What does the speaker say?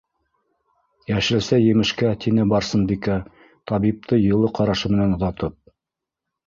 Йәшелсә-емешкә, - тине Барсынбикә, табипты йылы ҡарашы менән оҙатып.